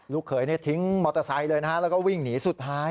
เขยทิ้งมอเตอร์ไซค์เลยนะฮะแล้วก็วิ่งหนีสุดท้าย